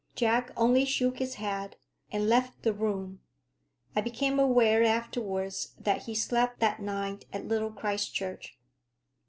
Jack only shook his head, and left the room. I became aware afterwards that he slept that night at Little Christchurch.